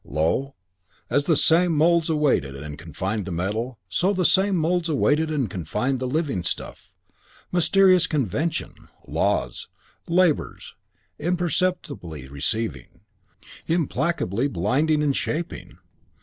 Lo, as the same moulds awaited and confined the metal, so the same moulds awaited and confined the living stuff. Mysterious conventions, laws, labours; imperceptibly receiving; implacably binding and shaping.